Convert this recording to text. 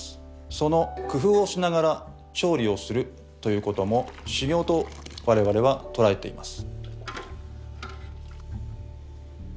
その工夫をしながら調理をするということも修行と我々は捉えています。